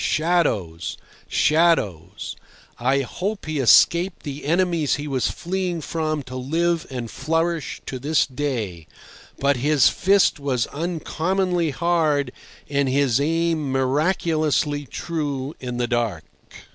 Shadows! Shadows! I hope he escaped the enemies he was fleeing from to live and flourish to this day. But his fist was uncommonly hard and his aim miraculously true in the dark.